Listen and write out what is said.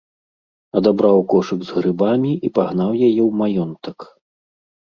Адабраў кошык з грыбамі і пагнаў яе ў маёнтак.